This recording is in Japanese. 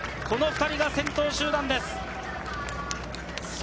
この２人が先頭集団です。